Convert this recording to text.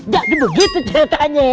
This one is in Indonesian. jadi begitu ceritanya